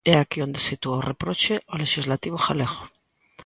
É aquí onde sitúa o reproche ao lexislativo galego.